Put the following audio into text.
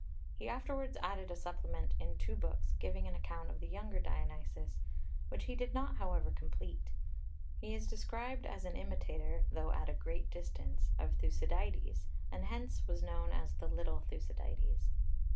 He afterwards added a supplement in two books, giving an account of the younger Dionysius, which he did not, however, complete. He is described as an imitator, though at a great distance, of Thucydides, and hence was known as "the little Thucydides."